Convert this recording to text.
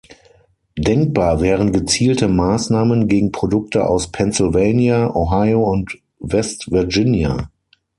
Denkbar wären gezielte Maßnahmen gegen Produkte aus Pennsylvania, Ohio und West Virginia.